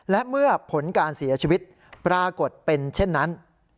และเมื่อผลการเสียชีวิตปรากฏเป็นเช่นนั้น